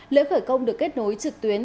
lễ khởi công được kết nối trực tuyến